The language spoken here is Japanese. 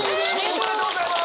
おめでとうございます！